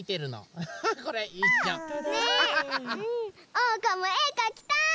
おうかもえかきたい！